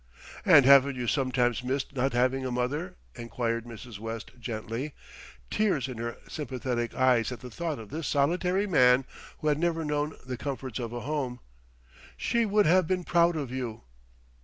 "And haven't you sometimes missed not having a mother?" enquired Mrs. West gently, tears in her sympathetic eyes at the thought of this solitary man who had never known the comforts of a home. "She would have been proud of you."